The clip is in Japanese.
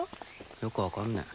よく分かんねえ。